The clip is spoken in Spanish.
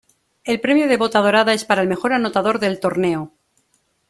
El premio de bota dorada es para el mejor anotador del torneo.